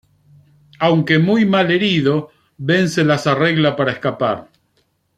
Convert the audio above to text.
Aunque muy mal herido, Ben se las arregla para escapar.